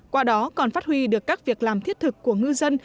qua đó còn phát huy được các việc làm thiết thực của ngư dân